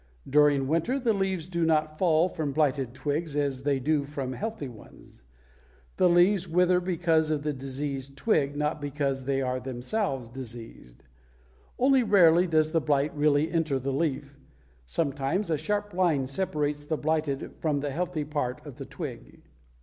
During winter the leaves do not fall from blighted twigs as they do from healthy ones. The leaves wither because of the diseased twig, not because they are themselves diseased. Only rarely does the blight really enter the leaf. Sometimes a sharp line separates the blighted from the healthy part of the twig.